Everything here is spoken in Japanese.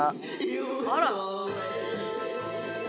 あら。